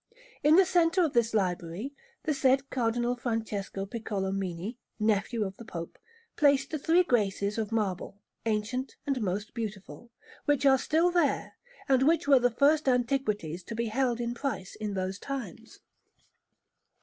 In the centre of this library the said Cardinal Francesco Piccolomini, nephew of the Pope, placed the three Graces of marble, ancient and most beautiful, which are still there, and which were the first antiquities to be held in price in those times.